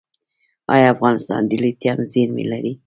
آیا افغانستان د لیتیم زیرمې لري؟